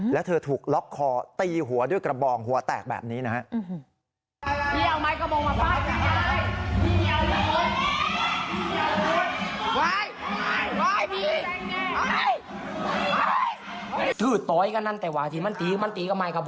แล้วเธอถูกล็อกคอตีหัวด้วยกระบองหัวแตกแบบนี้นะครับ